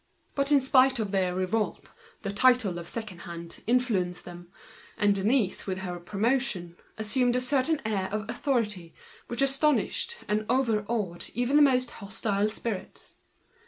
But in spite of their revolt, the title of second hand influenced them, Denise assumed a certain authority which astonished and overawed the most hostile spirits.